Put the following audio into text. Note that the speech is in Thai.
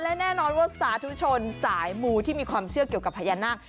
และแน่นอนว่าสาธุชนสายมูที่มีความเชื่อเกี่ยวกับพญานาค